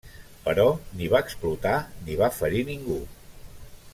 Però ni va explotar ni va ferir ningú.